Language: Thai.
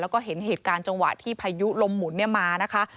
แล้วก็เห็นเหตุการณ์จังหวะที่พายุลมหมุนมานะคะ